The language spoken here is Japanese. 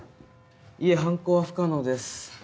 いえ犯行は不可能です。